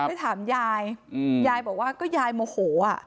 ได้ถามยายยายบอกว่าก็ยายโมโหอ่ะ